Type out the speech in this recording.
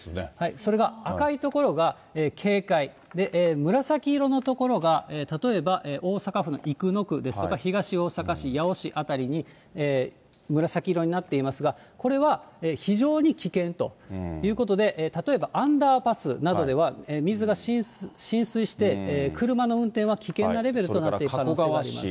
それが赤い所が警戒、紫色の所が例えば大阪府の生野区ですとか、東大阪市、八尾市辺りに、紫色になっていますが、これは非常に危険ということで、例えばアンダーパスなどでは水が浸水して、車の運転は危険なレベルとなっていく可能性があります。